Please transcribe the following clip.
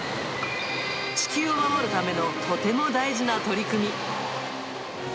地球を守るためのとても大事な取り組み。